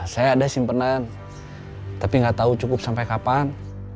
saya ada simpenan tapi nggak tahu cukup sampai kapan